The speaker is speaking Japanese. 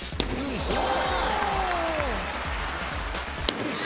よし。